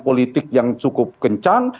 politik yang cukup kencang